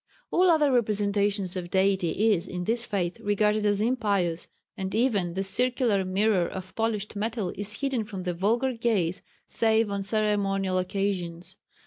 All other representation of Deity is in this faith regarded as impious, and even the circular mirror of polished metal is hidden from the vulgar gaze save on ceremonial occasions.